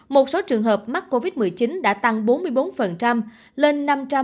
một số trường hợp mắc covid một mươi chín đã tăng bốn mươi bốn lên năm trăm ba mươi bốn bốn trăm linh